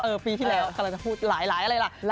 ปีที่แล้วกำลังจะพูดหลายอะไรล่ะ